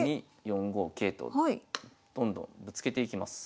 ４五桂とどんどんぶつけていきます。